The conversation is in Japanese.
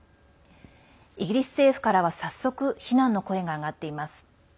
イギリス政府からは早速、非難の声が上がっています。